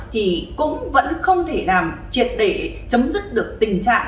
thì cũng vẫn không thể làm triệt để chấm dứt được tình trạng